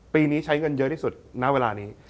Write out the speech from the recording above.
ปีนี้ใช้เงินเยอะที่สุดณเวลานี้